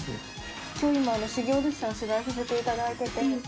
今「しげ老鮨」さん取材させていただいてて。